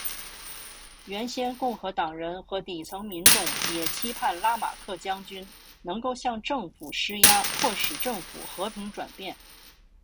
原先共和党人和底层民众也期盼拉马克将军能够向政府施压迫使政府和平转变。